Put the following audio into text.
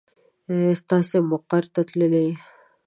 تاسې مقر ته تللي يئ.